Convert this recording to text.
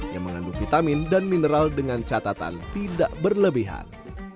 yang mengandung vitamin dan mineral dengan catatan tidak berlebihan